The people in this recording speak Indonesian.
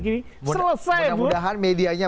selesai bu mudah mudahan medianya